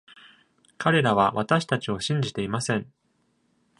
彼らは私たちを信じていません。